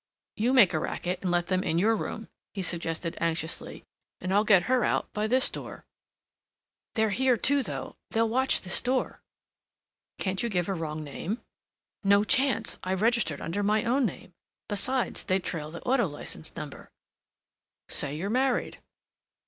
"You make a racket and let them in your room," he suggested anxiously, "and I'll get her out by this door." "They're here too, though. They'll watch this door." "Can't you give a wrong name?" "No chance. I registered under my own name; besides, they'd trail the auto license number." "Say you're married."